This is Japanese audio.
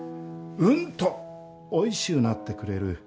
うんとおいしゅうなってくれる。